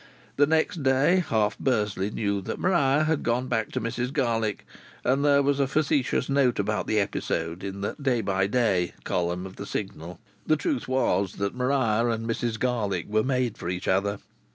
The next day half Bursley knew that Maria had gone back to Mrs Garlick, and there was a facetious note about the episode in the "Day by Day" column of the Signal. The truth was that Maria and Mrs Garlick were "made for each other."